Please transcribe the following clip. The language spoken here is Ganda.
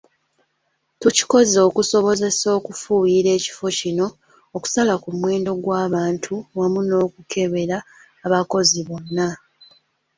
Tukikoze okusobozesa okufuuyira ekifo kino, okusala ku muwendo gw’abantu wamu n’okukebera abakozi bonna.